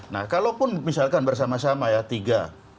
nah kalaupun misalkan bersama sama ya tiga